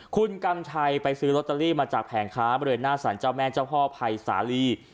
คุณกำชัยไปซื้อลอตเตอรี่มาจากแผงค้าบริเวณหน้าสารเจ้าแม่เจ้าพ่อภัยสาลี